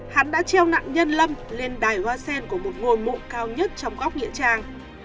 hắn đã treo nạn nhân lâm lên đài hoa sen của một ngôi mộ cao nhất trong góc nghĩa trang